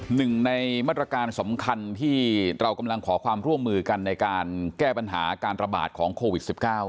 หนึ่งในมาตรการสำคัญที่เรากำลังขอความร่วมมือกันในการแก้ปัญหาการระบาดของโควิด๑๙